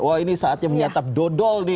wah ini saatnya menyatap dodol nih